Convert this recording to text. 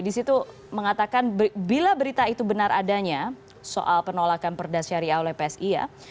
disitu mengatakan bila berita itu benar adanya soal penolakan perda syariah oleh psi ya